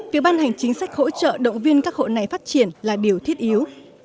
việc ban hành chính sách hỗ trợ động viên các hộ này phát triển là điều thiết yếu